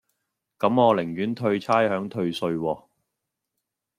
咁我寧願退差餉退稅喎